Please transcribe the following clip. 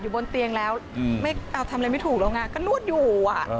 บนเตียงแล้วทำอะไรไม่ถูกแล้วไงก็นวดอยู่